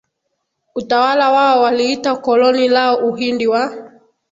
utawala wao Waliita koloni lao Uhindi wa